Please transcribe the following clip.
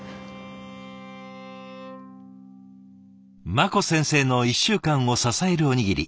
茉子先生の１週間を支えるおにぎり。